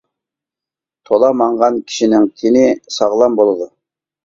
تولا ماڭغان كىشىنىڭ تېنى ساغلام بولىدۇ.